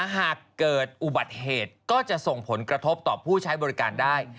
หากเกิดอุบัติเหตุก็จะส่งผลกระทบต่อผู้ใช้บริการได้